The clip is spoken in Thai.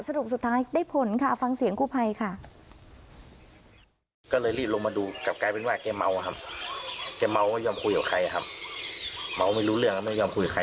สรุปสุดท้ายได้ผลค่ะฟังเสียงกู้ภัยค่ะ